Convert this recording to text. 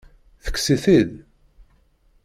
Tekkes-it-id?